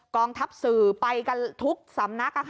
กองทัพสื่อไปกันทุกสำนัก